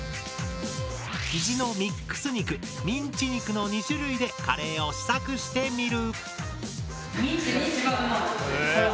きじのミックス肉ミンチ肉の２種類でカレーを試作してみる。